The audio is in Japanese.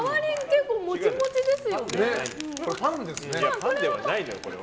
パンじゃないのよこれは。